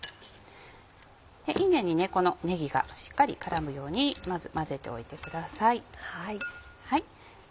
いんげんにねぎがしっかり絡むように混ぜておいてください。